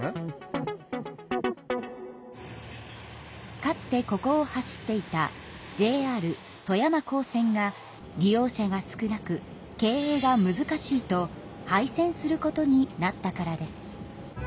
かつてここを走っていたＪＲ富山港線が利用者が少なく経営がむずかしいと廃線することになったからです。